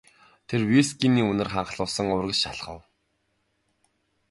Тэр вискиний үнэр ханхлуулан урагш алхав.